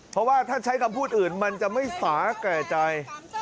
เพราะว่าถ้าใช้คำพูดอื่นมันจะไม่สาแก่ใจ